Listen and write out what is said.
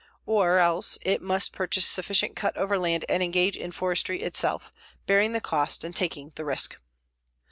_Or else it must purchase sufficient cut over land and engage in forestry itself, bearing the cost and taking the risk.